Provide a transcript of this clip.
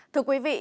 thưa quý vị